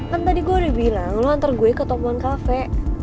kan tadi gua udah bilang lu antar gue ke tokoan kafe